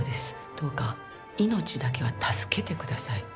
どうか命だけは助けて下さい」。